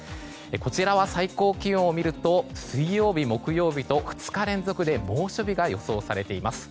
こちらは最高気温を見ると水曜日、木曜日と２日連続で猛暑日が予想されています。